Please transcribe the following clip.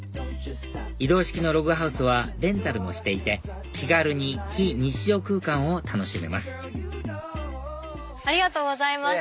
移動式のログハウスはレンタルもしていて気軽に非日常空間を楽しめますありがとうございました。